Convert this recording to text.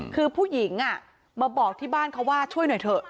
คือผู้หญิงมาบอกที่บ้านเขาว่าช่วยหน่อยเถอะ